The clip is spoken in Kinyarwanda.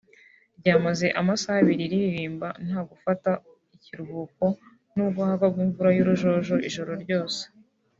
ryamaze amasaha abiri riririmba nta gufata ikiruhuko nubwo hagwaga imvura y’urujojo ijoro ryose